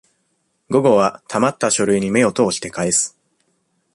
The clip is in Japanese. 午後は、溜った書類に目を通して返す。